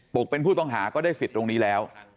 เป็นผู้ต้องหาก็ได้สิทธิ์ตรงนี้แล้ว